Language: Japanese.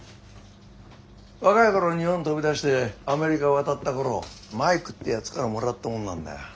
若い頃日本飛び出してアメリカ渡った頃マイクっていうやつからもらったものなんだよ。